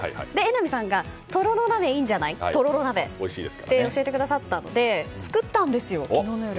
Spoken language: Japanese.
榎並さんがとろろ鍋いいんじゃないって教えてくださったので作ったんです、昨日の夜。